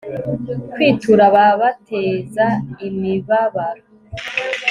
kwitura ababateza imibabaro